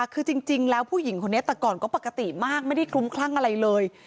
คือจริงแล้วผู้หญิงคนนี้แต่ก่อนก็ปกติมากไม่ได้คลุ้มคลั่งอะไรเลย